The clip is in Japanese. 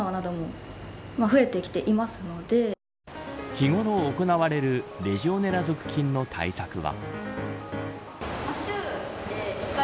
日頃行われるレジオネラ属菌の対策は。